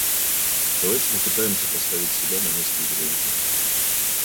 Давайте попытаемся поставить себя на место израильтян.